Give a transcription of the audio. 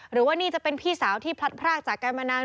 หรือว่านี่จะเป็นพี่สาวที่พลัดพรากจากกันมานาน